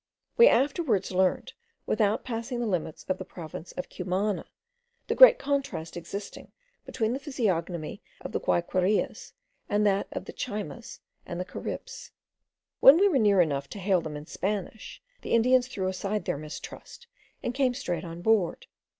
We afterwards learned, without passing the limits of the province of Cumana, the great contrast existing between the physiognomy of the Guayquerias and that of the Chaymas and the Caribs. When we were near enough to hail them in Spanish, the Indians threw aside their mistrust, and came straight on board.